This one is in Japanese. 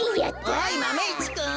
おいマメ１くん。